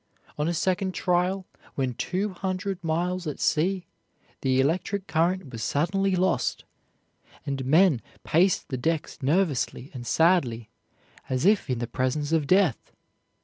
On the second trial, when two hundred miles at sea, the electric current was suddenly lost, and men paced the decks nervously and sadly, as if in the presence of death.